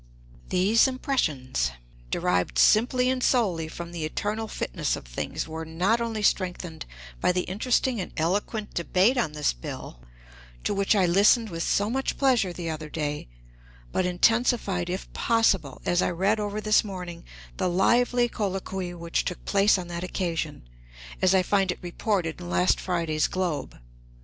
These impressions, derived simply and solely from the "eternal fitness of things," were not only strengthened by the interesting and eloquent debate on this bill, to which I listened with so much pleasure the other day, but intensified, if possible, as I read over this morning the lively colloquy which took place on that occasion, as I find it reported in last Friday's "Globe."